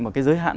một cái giới hạn